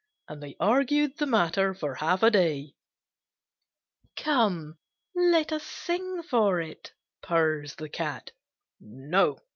And they argued the matter for half a day. "Come, let us sing for it!" purrs the Cat; "No!"